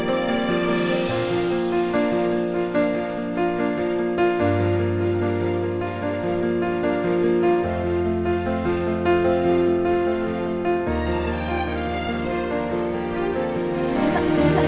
ada intentu membuat lirikin ya